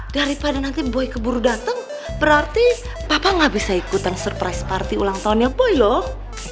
daripada nanti boy keburu datang berarti papa gak bisa ikutan surprise party ulang tahunnya boy loh